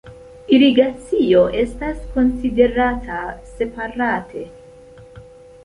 Irigacio estas konsiderata separate.